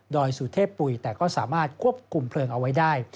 อยสุเทพปุ๋ยแต่ก็สามารถควบคุมเพลิงเอาไว้ได้